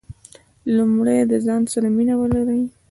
لومړی د ځان سره مینه ولرئ .